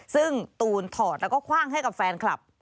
ซึ่งตูนถอดแล้วก็คว่างให้กับแฟนคลับ